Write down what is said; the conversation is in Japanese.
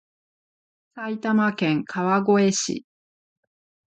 埼玉県川越市